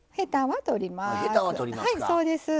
はいそうです。